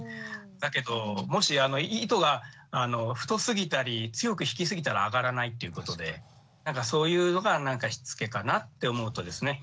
だけどもし糸が太すぎたり強く引きすぎたら揚がらないっていうことでなんかそういうのがしつけかなって思うとですね